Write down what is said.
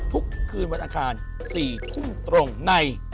ทุกคืนวันอังคาร๔ทุ่มตรงใน